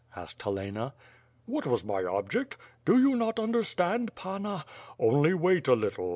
asked Helena. "What was my object? Do you not understand, Panna? Only wait a little.